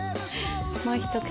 もう一口。